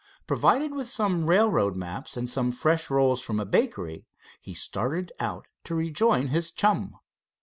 Provided with some railroad maps, and some fresh rolls from a bakery, he started out to rejoin his chum.